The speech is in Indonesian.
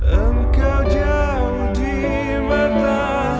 engkau jauh di mata